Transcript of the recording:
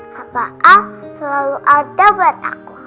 papa al selalu ada buat aku